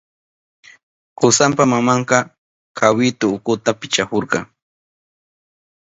Kusanpa mamanka kawitu ukuta pichahurka.